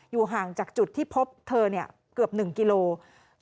อยู่ห่างจากจุดที่พบเธอเนี่ยเกือบหนึ่งกิโลกรัม